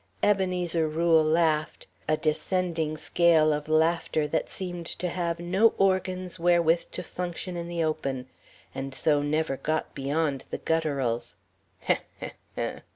Ebenezer Rule laughed a descending scale of laughter that seemed to have no organs wherewith to function in the open, and so never got beyond the gutturals.